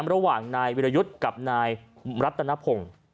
ระหว่างนายวิรยุทธ์กับนายรัตนพงศ์